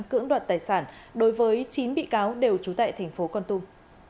cưỡng đoạt tài sản đối với chín bị cáo đều trú tại tp con tum